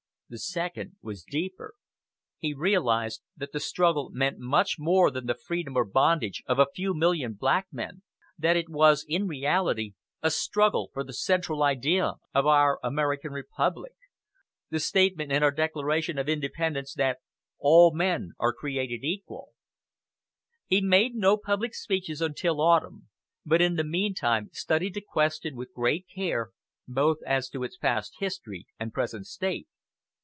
The second was deeper. He realized that the struggle meant much more than the freedom or bondage of a few million black men: that it was in reality a struggle for the central idea of our American republic the statement in our Declaration of Independence that "all men are created equal." He made no public speeches until autumn, but in the meantime studied the question with great care, both as to its past history and present state.